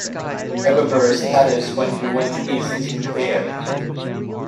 Dagobert's status when he went east is unclear.